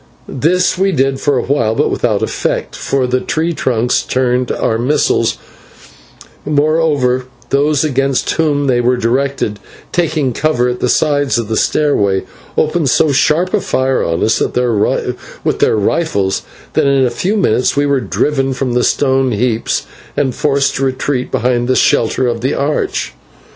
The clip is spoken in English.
This we did for awhile, but without effect, for the tree trunks turned our missiles; moreover those against whom they were directed, taking cover at the sides of the stairway, opened so sharp a fire on us with their rifles, that in a few minutes we were driven from the stone heaps and forced to retreat behind the shelter of the arch.